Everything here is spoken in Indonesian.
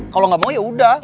kalo gak mau ya udah